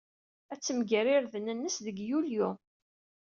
Ad temger irden-nnes deg Yulyu.